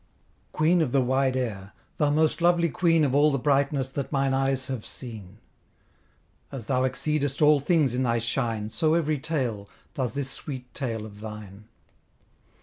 Queen of the wide air; thou most lovely queen Of all the brightness that mine eyes have seen! As thou exceedest all things in thy shine, So every tale, does this sweet tale of thine.